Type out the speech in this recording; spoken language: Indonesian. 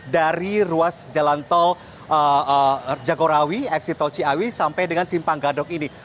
dari ruas jalan tol jagorawi eksit tol ciawi sampai dengan simpang gadok ini